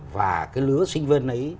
và cái lứa sinh viên ấy